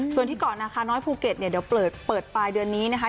ส่วนที่เกาะนาคาน้อยภูเก็ตเนี่ยเดี๋ยวเปิดปลายเดือนนี้นะคะ